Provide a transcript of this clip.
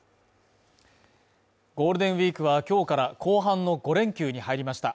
ゴールデンウィークは今日から後半の５連休に入りました。